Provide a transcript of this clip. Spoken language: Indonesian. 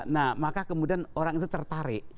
nah maka kemudian orang itu tertarik